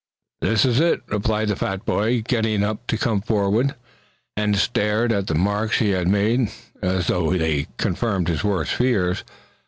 "That, you're IT," replied the fat boy, getting up to come forward, and stare at the marks he had made, as though they confirmed his worst fears.